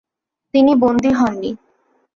তিনি বন্দী হন নি।